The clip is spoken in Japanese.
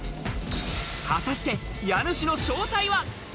果たして家主の正体は？